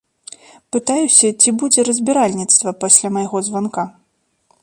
Пытаюся, ці будзе разбіральніцтва пасля майго званка.